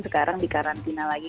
sekarang di karantina lagi